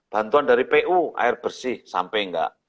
bantuan dari pu air bersih sampai enggak